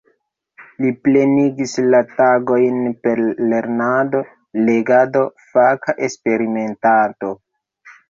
Li plenigis la tagojn per lernado, legado, faka eksperimentado.